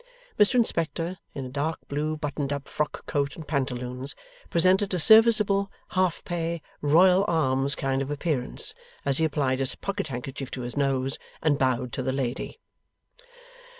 Mr Inspector, in a dark blue buttoned up frock coat and pantaloons, presented a serviceable, half pay, Royal Arms kind of appearance, as he applied his pocket handkerchief to his nose and bowed to the lady.